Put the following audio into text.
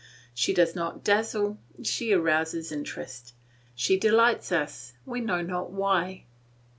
She does not dazzle; she arouses interest; she delights us, we know not why.